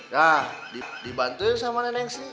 nah dibantuin sama neng sri